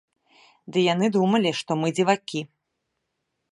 Ды й яны думалі, што мы дзівакі.